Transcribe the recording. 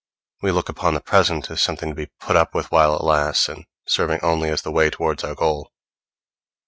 We look upon the present as something to be put up with while it lasts, and serving only as the way towards our goal.